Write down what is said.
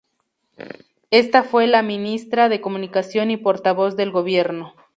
Esta fue la ministra de comunicación y portavoz del gobierno.